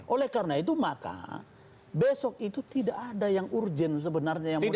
oleh karena itu maka besok itu tidak ada yang urgen sebenarnya yang mau dibawa